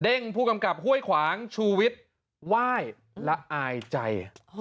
ผู้กำกับห้วยขวางชูวิทย์ไหว้ละอายใจ